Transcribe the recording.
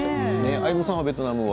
相武さん、ベトナムは？